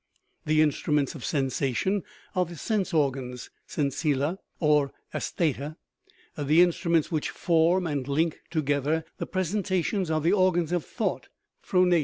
The instru ments of sensation are the sense organs (sensilla or aestheta) ; the instruments which form and link to gether the presentations are the organs of thought (phroneta).